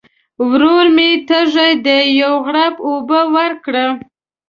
ورور مي تږی دی ، یو غوړپ اوبه ورکړه !